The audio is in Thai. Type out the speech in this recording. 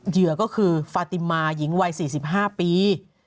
เหยื่อก็คือฟาติมาหญิงวัย๔๕ปี